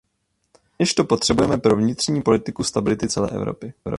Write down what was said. Rovněž to potřebujeme pro vnitřní politiku stability celé Evropy.